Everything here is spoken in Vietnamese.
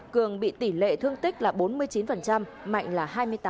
cường bị tỷ lệ thương tích là bốn mươi chín mạnh là hai mươi tám